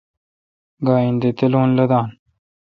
گا این تے تلون لدان۔